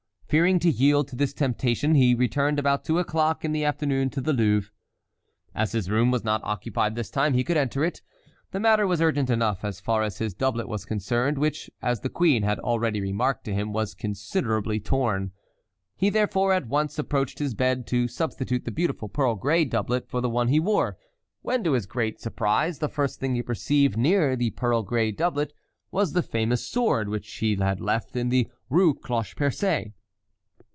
Fearing to yield to this temptation he returned about two o'clock in the afternoon to the Louvre. As his room was not occupied this time he could enter it. The matter was urgent enough as far as his doublet was concerned, which, as the queen had already remarked to him, was considerably torn. He therefore at once approached his bed to substitute the beautiful pearl gray doublet for the one he wore, when to his great surprise the first thing he perceived near the pearl gray doublet was the famous sword which he had left in the Rue Cloche Percée.